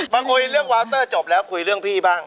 มาคุยเรื่องวาวเตอร์จบแล้วคุยเรื่องพี่บ้าง